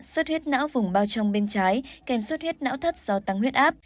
suốt huyết não vùng bao trong bên trái kèm sốt huyết não thất do tăng huyết áp